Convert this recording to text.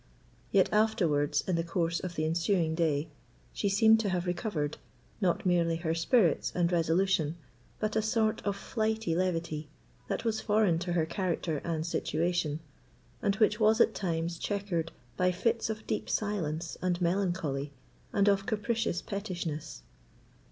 Yet afterwards, in the course of the ensuing day, she seemed to have recovered, not merely her spirits and resolution, but a sort of flighty levity, that was foreign to her character and situation, and which was at times chequered by fits of deep silence and melancholy and of capricious pettishness.